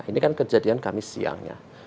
ini kan kejadian kamis siangnya